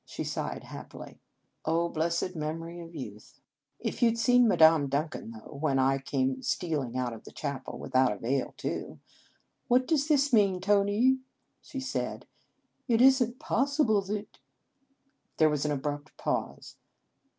she sighed happily. (Oh, blessed memory of youth !) "If you d seen Madame Duncan, though, when I came stealing out of the chapel, without a veil, too. What does this mean, Tony ? she said. It is n t pos sible that " There was an abrupt pause.